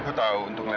haaah uz ternyata